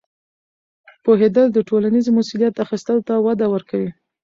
پوهېدل د ټولنیزې مسؤلیت اخیستلو ته وده ورکوي.